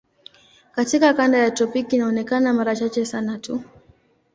Katika kanda ya tropiki inaonekana mara chache sana tu.